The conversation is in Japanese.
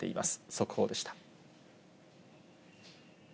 速報でした。